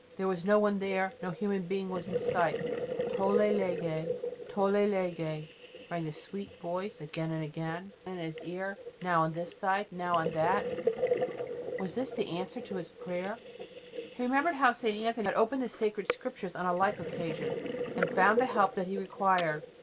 There was no one there; no human being was in sight. "Tolle, lege; tolle, lege," rang the sweet voice again and again in his ear, now on this side, now on that. Was this the answer to his prayer? He remembered how St. Anthony had opened the sacred Scriptures on a like occasion, and had found the help that he required.